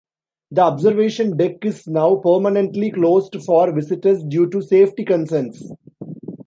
The observation deck is now permanently closed for visitors due to safety concerns.